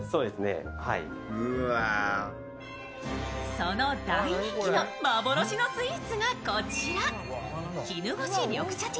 その大人気の幻のスイーツがこちら、絹ごし緑茶てぃ